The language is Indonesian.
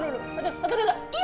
satu dua tiga